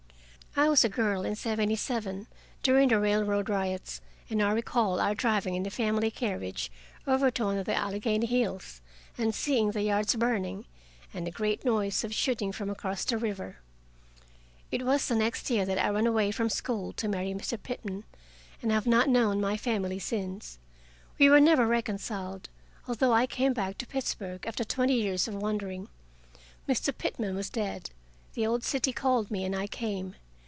I was a girl in seventy seven, during the railroad riots, and I recall our driving in the family carriage over to one of the Allegheny hills, and seeing the yards burning, and a great noise of shooting from across the river. It was the next year that I ran away from school to marry Mr. Pitman, and I have not known my family since. We were never reconciled, although I came back to Pittsburgh after twenty years of wandering. Mr. Pitman was dead; the old city called me, and I came.